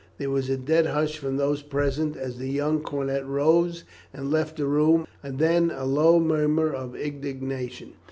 There was a dead hush from those present as the young cornet rose and left the room, and then a low murmur of indignation.